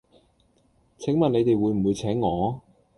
請問你哋會唔會請我?